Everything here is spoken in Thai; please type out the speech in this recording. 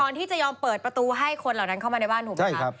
ที่จะยอมเปิดประตูให้คนเหล่านั้นเข้ามาในบ้านถูกไหมคะ